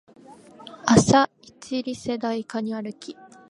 朝イチリセ台カニ歩き